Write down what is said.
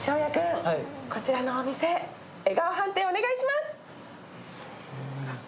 こちらのお店、笑顔判定をお願いします。